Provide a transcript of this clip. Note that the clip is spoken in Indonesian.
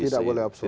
tidak boleh absolut